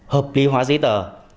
hợp lý hóa giấy tờ